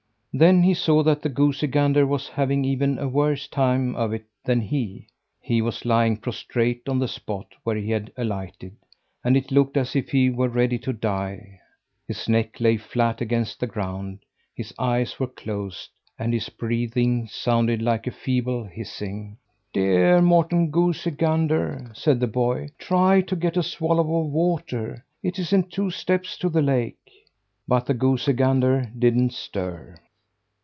Then he saw that the goosey gander was having even a worse time of it than he. He was lying prostrate on the spot where he had alighted; and it looked as if he were ready to die. His neck lay flat against the ground, his eyes were closed, and his breathing sounded like a feeble hissing. "Dear Morten Goosey Gander," said the boy, "try to get a swallow of water! It isn't two steps to the lake." But the goosey gander didn't stir.